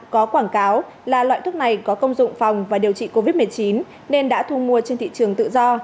có quảng cáo là loại thuốc này có công dụng phòng và điều trị covid một mươi chín nên đã thu mua trên thị trường tự do